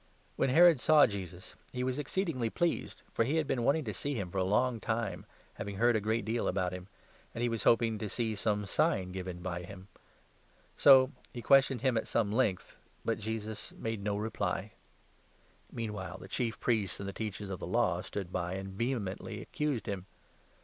When Herod saw Jesus, he was ex 8 Herod. ceed'mgly pleased, for he had been wanting to see him for a long time, having heard a great deal about him ; and he was hoping to see some sign given by him. So he questioned 9 him at some length,'but Jesus made no reply. Meanwhile the 10 Chief Priests and the Teachers of the Law stood by and vehemently accused him.